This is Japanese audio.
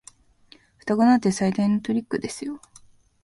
双子なんて最低のトリックですよ。